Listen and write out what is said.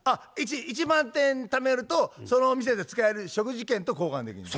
１万点ためるとそのお店で使える食事券と交換できんねや。